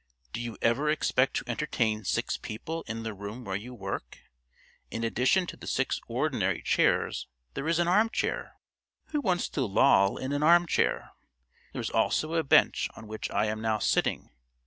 Do you ever expect to entertain six people in the room where you work? In addition to the six ordinary chairs there is an armchair. Who wants to loll in an armchair? There is also a bench on which I am now sitting.